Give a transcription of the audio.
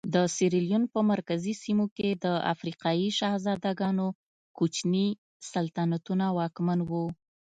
د سیریلیون په مرکزي سیمو کې د افریقایي شهزادګانو کوچني سلطنتونه واکمن وو.